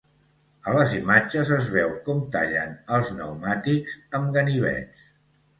A les imatges es veu com tallen els pneumàtics amb ganivets.